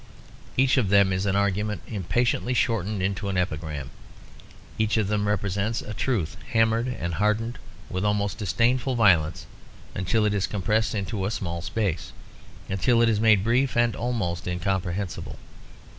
Each of them is an argument impatiently shortened into an epigram. Each of them represents a truth hammered and hardened, with an almost disdainful violence until it is compressed into a small space, until it is made brief and almost incomprehensible.